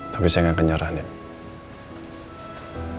tapi saya gak akan nyerah nip